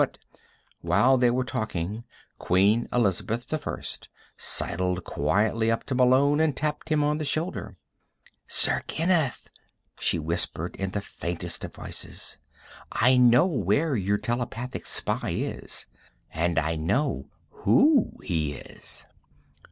"But " While they were talking, Queen Elizabeth I sidled quietly up to Malone and tapped him on the shoulder. "Sir Kenneth," she whispered in the faintest of voices, "I know where your telepathic spy is. And I know who he is."